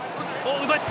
奪った。